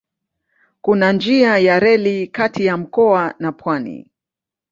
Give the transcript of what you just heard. Kuna njia ya reli kati ya mkoa na pwani.